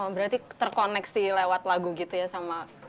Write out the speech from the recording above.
berarti terkoneksi lewat lagu gitu ya sama